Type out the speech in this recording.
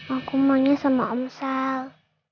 aku mau nyuruh sama omsal